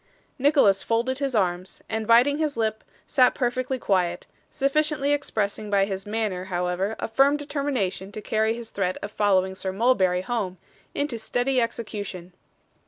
Nicholas folded his arms, and biting his lip, sat perfectly quiet; sufficiently expressing by his manner, however, a firm determination to carry his threat of following Sir Mulberry home, into steady execution.